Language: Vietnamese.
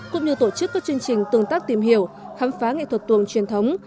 cũng như tổ chức các chương trình tương tác tìm hiểu khám phá nghệ thuật tuồng truyền thống